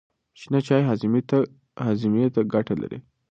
شنه چای هاضمې ته ګټه لري.